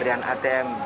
bisa ngebantu banget